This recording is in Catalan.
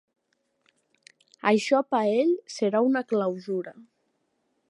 Això per a ell serà una clausura.